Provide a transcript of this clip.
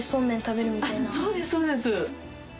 そうですそうです。